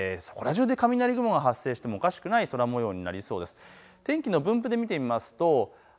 そこら中で雷雲が発生してもおかしくない空もようになりそうです。